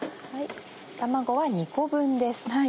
卵は２個分です。